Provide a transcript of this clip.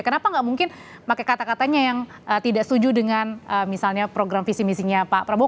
kenapa nggak mungkin pakai kata katanya yang tidak setuju dengan misalnya program visi misinya pak prabowo